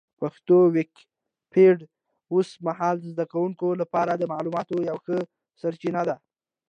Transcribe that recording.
پښتو ويکيپېډيا اوس مهال د زده کوونکو لپاره د معلوماتو یوه ښه سرچینه ده.